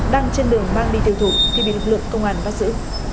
đang trên đường mang đi tiêu thụ thì bị lực lượng công an bắt giữ